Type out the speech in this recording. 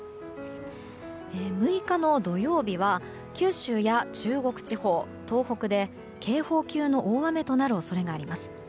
６日の土曜日は九州や中国地方、東北で警報級の大雨となる恐れがあります。